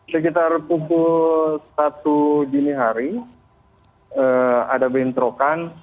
sekitar pukul satu dini hari ada bentrokan